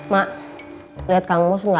mak lihat kamu masuk nggak